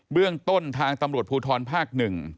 เรื่องต้นทางตำรวจภูทรภาค๑